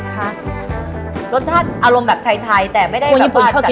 ค่ะรสชาติอารมณ์แบบไทยไทยแต่ไม่ได้แบบว่าคนญี่ปุ่นชอบกินมาก